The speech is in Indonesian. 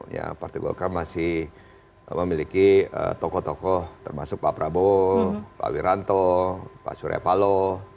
ya partai golkar masih memiliki tokoh tokoh termasuk pak prabowo pak wiranto pak surya paloh